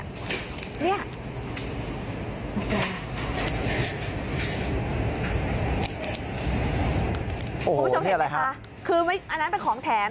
คุณผู้ชมเห็นไหมคะคืออันนั้นเป็นของแถม